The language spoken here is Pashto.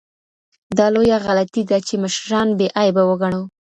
دا لویه غلطي ده چي مشران بې عیبه وګڼو.